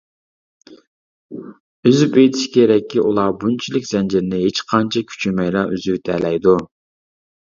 ئۈزۈپ ئېيتىش كېرەككى، ئۇلار بۇنچىلىك زەنجىرنى ھېچقانچە كۈچىمەيلا ئۈزۈۋېتەلەيدۇ.